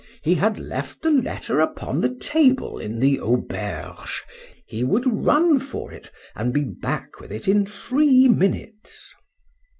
He had left the letter upon the table in the auberge;—he would run for it, and be back with it in three minutes.